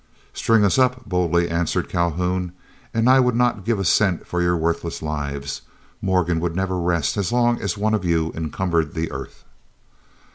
"String us up," boldly answered Calhoun, "and I would not give a cent for your worthless lives; Morgan would never rest, as long as one of you encumbered the earth."